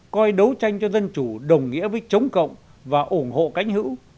coi đấu tranh cho dân chủ đồng nghĩa với chống cộng và ủng hộ cánh hữu